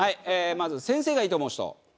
まず先生がいいと思う人。